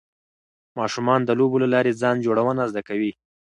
ماشومان د لوبو له لارې ځان جوړونه زده کوي.